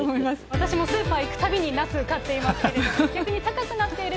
私もスーパー行くたびにナス買っていますけれども、逆に高くなっている